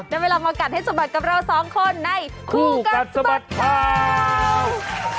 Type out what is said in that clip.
ได้เวลามากัดให้สบัดกับเราสองคนในครูกันสมัคร